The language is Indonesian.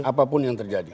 apapun yang terjadi